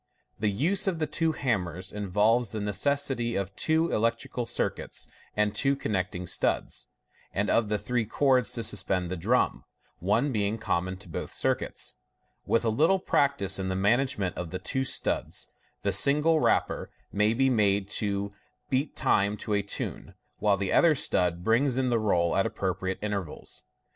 The use of the twe hammers involves the necessity of two electrical circuits and two connecting studs, and of three cords to suspend the drum (one being common to both circuits). With a little practice in the management of the two studs, the single rapper may be made to beat time to a tune, while the other stud brings in the roll at appropriate intervals.